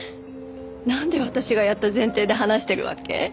なんで私がやった前提で話してるわけ？